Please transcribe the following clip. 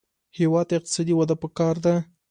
هېواد ته اقتصادي وده پکار ده